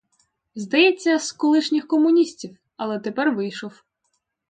Здається, з колишніх комуністів, але тепер вийшов.